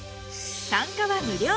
参加は無料。